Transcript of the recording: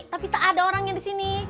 tapi tak ada orangnya disini